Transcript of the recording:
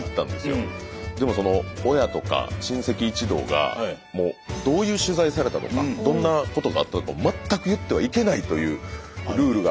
でも親とか親戚一同がもうどういう取材されたとかどんな事があったとか全く言ってはいけないというルールがあるみたいで。